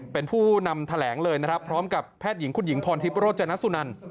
เป็นผู้นำแถลงเลยนะครับพร้อมกับแพทย์หญิงคุณหญิงพรทิพย์โรจนสุนัน